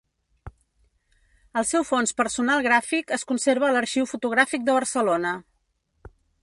El seu fons personal gràfic es conserva a l'Arxiu Fotogràfic de Barcelona.